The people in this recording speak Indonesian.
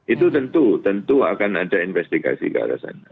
itu tentu tentu akan ada investigasi ke arah sana